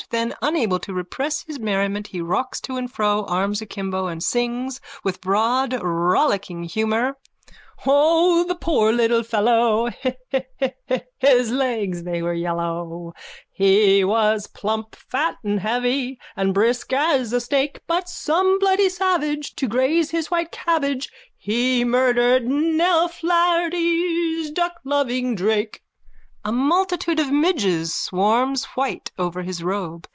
Then, unable to repress his merriment, he rocks to and fro, arms akimbo, and sings with broad rollicking humour:)_ O, the poor little fellow Hihihihihis legs they were yellow He was plump, fat and heavy and brisk as a snake But some bloody savage To graize his white cabbage He murdered Nell Flaherty's duckloving drake. _(A multitude of midges swarms white over his robe.